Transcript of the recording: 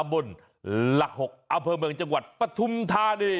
อำเภอเมืองจังหวัดปทมธานี